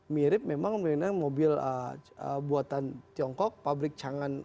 mirip memang dengan mobil buatan tiongkok pabrik cangan